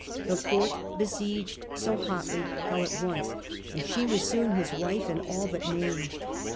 The fort besieged so hotly fell at once, and she was soon his wife in all but name.